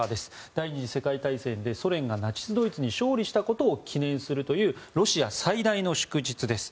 第２次世界大戦でソ連がナチスドイツに勝利したことを記念するというロシア最大の祝日です。